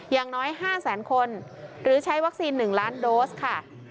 อย่างน้อย๕๐๐๐๐๐คนหรือใช้วัคซีน๑๐๐๐๐๐๐โดสค่ะ